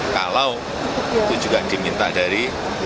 kalau itu juga diminta dari